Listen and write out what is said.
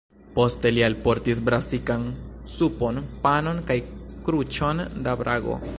Poste li alportis brasikan supon, panon kaj kruĉon da "brago".